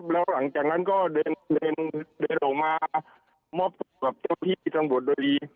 แล้วหลังจากนั้นก็เดินออกมามอบตัวกับเจ้าพี่ทางบทดลี